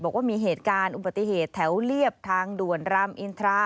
บอกว่ามีเหตุการณ์อุบัติเหตุแถวเรียบทางด่วนรามอินทรา